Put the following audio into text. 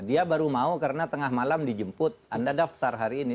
dia baru mau karena tengah malam dijemput anda daftar hari ini